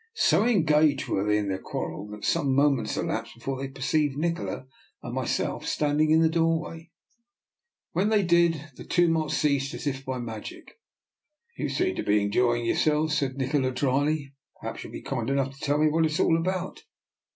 So engaged were they in their quarrel that some mo ments elapsed before they perceived Ni kola and myself standing in the doorway. DR. NIKOLA'S EXPERIMENT. 247 When they did, the tumult ceased as if by magic. " You seem to be enjoying yourselves," said Nikola drily; " perhaps you will be kind enough to tell me what it is all about."